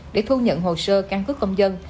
để thu nhận hồ sơ căn cứ công dân